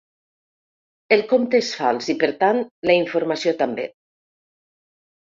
El compte és fals i, per tant, la informació també.